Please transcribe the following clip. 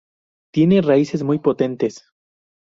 Tiene raíces muy potentes.